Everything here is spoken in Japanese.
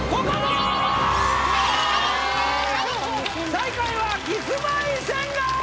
最下位はキスマイ・千賀。